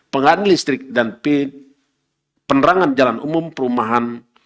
pengadil listrik dan penerangan jalan umum perumahan